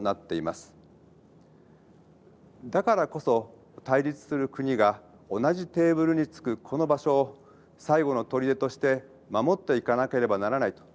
だからこそ対立する国が同じテーブルに着くこの場所を最後の砦として守っていかなければならないというのも確かです。